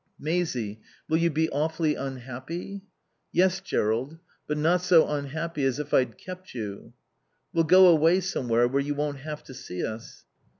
"Maisie will you be awfully unhappy?" "Yes, Jerrold. But not so unhappy as if I'd kept you." "We'll go away somewhere where you won't have to see us."